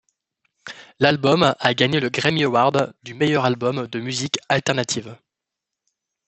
L'album a gagné le Grammy Award du meilleur album de musique alternative.